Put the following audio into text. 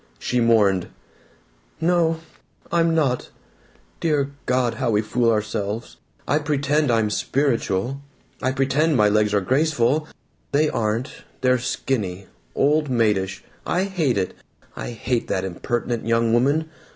She mourned: "No. I'm not. Dear God, how we fool ourselves! I pretend I'm 'spiritual.' I pretend my legs are graceful. They aren't. They're skinny. Old maidish. I hate it! I hate that impertinent young woman!